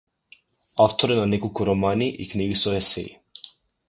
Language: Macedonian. Автор е на неколку романи и книги со есеи.